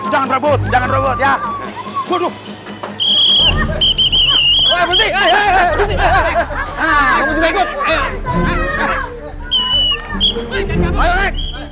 jangan berobot jangan berobot ya